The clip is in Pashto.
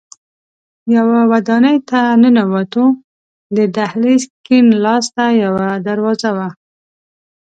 یوه ودانۍ ته ننوتو، د دهلېز کیڼ لاس ته یوه دروازه وه.